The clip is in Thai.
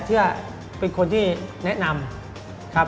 เธอเป็นคนที่แนะนำ